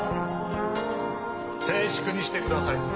静粛にしてください。